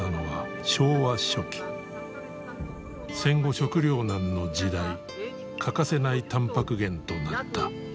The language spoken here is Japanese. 戦後食糧難の時代欠かせないタンパク源となった。